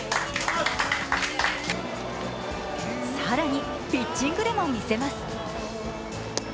更にピッチングでも見せます。